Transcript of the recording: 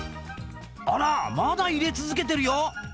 あらまだ入れ続けてるよ